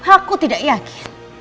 aku tidak yakin